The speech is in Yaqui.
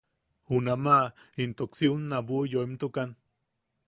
Junama intoko si unna buʼu yoimtukan.